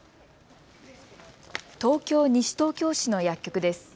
東京西東京市の薬局です。